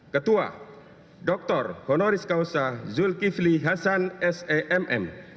ketua dr honoris causa zulkifli hasan s e m m